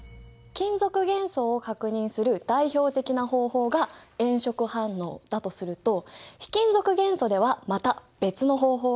金属元素を確認する代表的な方法が炎色反応だとすると非金属元素ではまた別の方法もあるんだ。